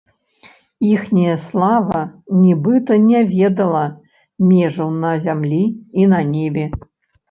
Іхняя слава нібыта не ведала межаў на зямлі і на небе.